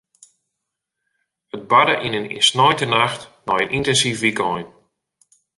It barde yn in sneintenacht nei in yntinsyf wykein.